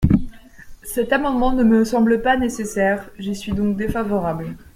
Cet amendement ne me semble pas nécessaire : j’y suis donc défavorable.